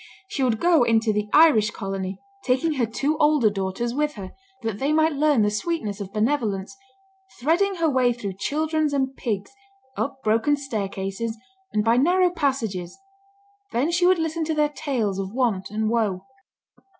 She would go into the "Irish Colony," taking her two older daughters with her, that they might learn the sweetness of benevolence, "threading her way through children and pigs, up broken staircases, and by narrow passages; then she would listen to their tales of want and woe."